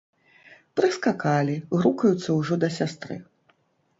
Прыскакалі, грукаюцца ўжо да сястры.